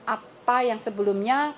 apa yang sebelumnya